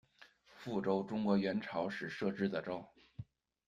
富州，中国元朝时设置的州。